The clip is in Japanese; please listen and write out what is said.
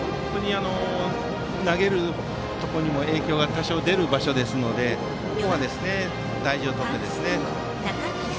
投げるところにも影響が多少出る場所ですのでここは大事をとりたいですね。